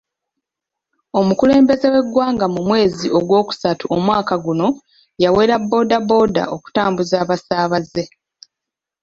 Omukulembeze w'eggwanga mu mwezi ogwokusatu omwaka guno yawera bbooda bbooda okutambuza abasaabaze.